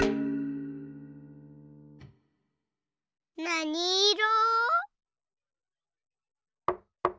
なにいろ？